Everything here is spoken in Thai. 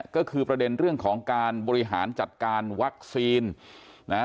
ก็คือประเด็นเรื่องของการบริหารจัดการวัคซีนนะฮะ